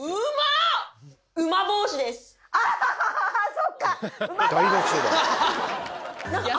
そっか。